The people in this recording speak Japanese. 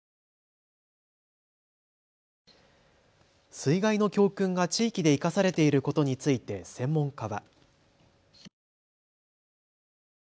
水害の教訓が地域で生かされていることについて専門家は。